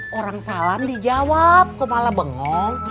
eh orang salam dijawab kok malah bengong